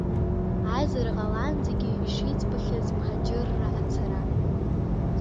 Аизара ҟалаанӡагьы ишиӡбахьаз мҳаџьырра ацара.